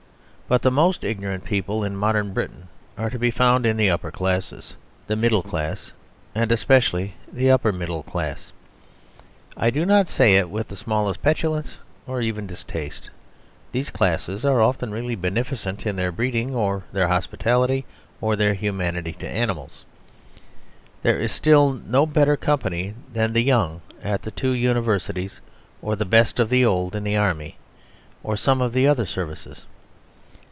But the most ignorant people in modern Britain are to be found in the upper class, the middle class, and especially the upper middle class. I do not say it with the smallest petulance or even distaste; these classes are often really beneficent in their breeding or their hospitality, or their humanity to animals. There is still no better company than the young at the two Universities, or the best of the old in the Army or some of the other services.